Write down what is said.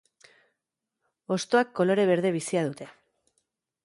Hostoak kolore berde bizia dute.